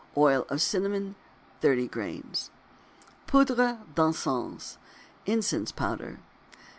Oil of cinnamon 30 grains. POUDRE D'ENCENS (INCENSE POWDER).